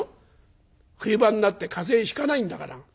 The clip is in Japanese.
冬場になって風邪ひかないんだから。